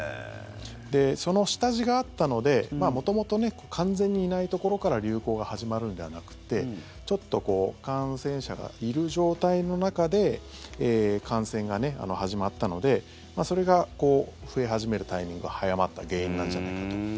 で、その下地があったので元々、完全にいないところから流行が始まるんではなくてちょっと感染者がいる状態の中で感染が始まったのでそれが増え始めるタイミングが早まった原因なんじゃないかと。